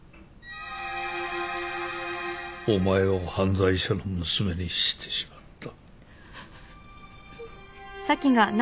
お前を犯罪者の娘にしてしまった。